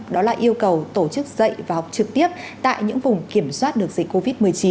đó là yêu cầu tổ chức dạy và học trực tiếp tại những vùng kiểm soát được dịch covid một mươi chín